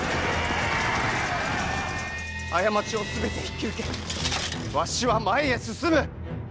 過ちを全て引き受けわしは前へ進む！